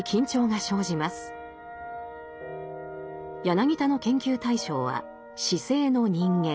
柳田の研究対象は市井の人間。